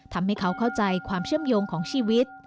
ทำให้เขาเข้าใจความเชื่อมโยงของชีวิต